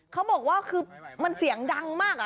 เขาบอกว่าคือมันเสียงดังมาก